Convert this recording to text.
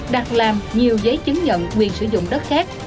đặt làm nhiều giấy chứng nhận quyền sử dụng đất khác